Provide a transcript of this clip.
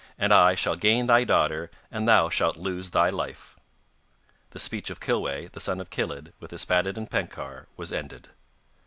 And I shall gain thy daughter, and thou shalt lose thy life.' The speech of Kilweh the son of Kilydd with Yspaddaden Penkawr was ended.